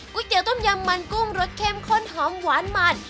เตี๋ยต้มยำมันกุ้งรสเข้มข้นหอมหวานมัน